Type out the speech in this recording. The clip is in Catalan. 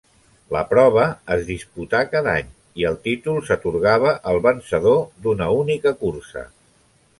La prova es disputà cada any i el títol s'atorgava al vencedor d'una única cursa.